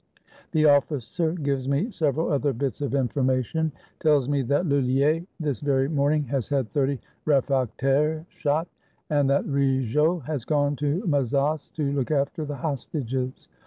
" The officer gives me several other bits of information : tells me that "Lullier this very morning has had thirty refractaires shot, and that Rigault has gone to Mazas to look after the hostages."